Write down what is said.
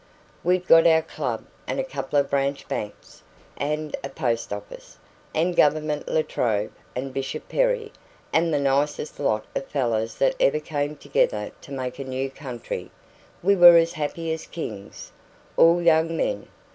"We'd got our club, and a couple of branch banks, and a post office, and Governor La Trobe, and Bishop Perry, and the nicest lot of fellows that ever came together to make a new country. We were as happy as kings. All young men.